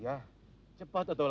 ya cepat atau lambat